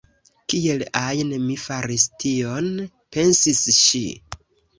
“Kiel ajn mi faris tion?” pensis ŝi.